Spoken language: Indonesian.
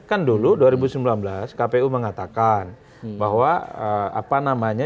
kan dulu dua ribu sembilan belas kpu mengatakan bahwa apa namanya